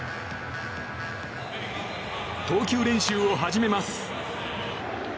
投球練習を始めます。